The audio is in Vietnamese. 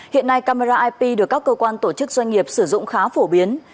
hiện nay camera ip được các cơ quan tổ chức doanh nghiệp sử dụng khá phổ biến